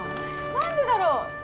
何でだろう？